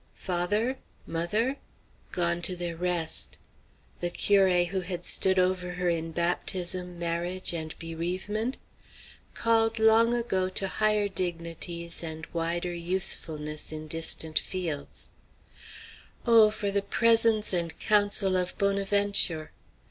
Father, mother? Gone to their rest. The curé who had stood over her in baptism, marriage, and bereavement? Called long ago to higher dignities and wider usefulness in distant fields. Oh for the presence and counsel of Bonaventure!